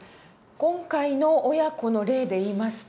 今回の親子の例で言いますと。